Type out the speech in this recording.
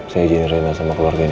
saya jadiin reina dengan keluarga nino